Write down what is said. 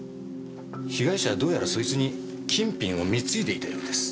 被害者はどうやらそいつに金品を貢いでいたようです。